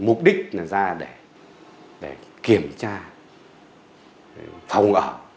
mục đích là ra để kiểm tra phòng ở